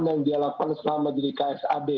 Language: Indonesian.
yang dialakukan selama diri ksad